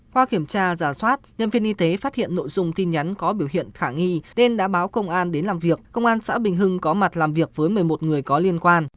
qua kiểm tra giả soát nhân viên y tế phát hiện nội dung tin nhắn có biểu hiện khả nghi nên đã báo công an đến làm việc công an xã bình hưng có mặt làm việc với một mươi một người có liên quan